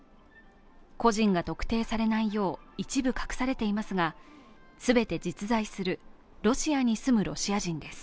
個人が特定されないよう一部隠されていますが、全て実在するロシアに住むロシア人です。